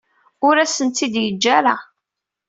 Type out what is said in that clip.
Ur asen-tt-id-yeǧǧa ara.